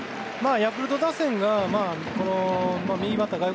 ヤクルト打線が右バッター